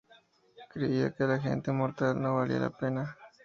Creía que la gente mortal no valía la pena.